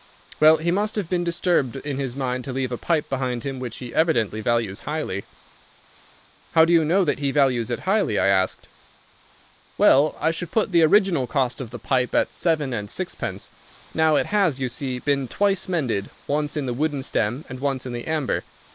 Well, he must have been disturbed in his mind to leave a pipe behind him which he evidently values highly." "How do you know that he values it highly?" I asked. "Well, I should put the original cost of the pipe at seven and sixpence. Now it has, you see, been twice mended, once in the wooden stem and once in the amber.